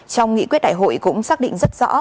trong nghị quyết đại hội cũng xác định rất rõ